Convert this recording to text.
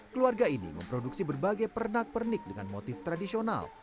keluarga ini memproduksi berbagai pernak pernik dengan motif tradisional